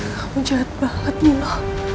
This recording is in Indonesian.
kamu jahat banget nino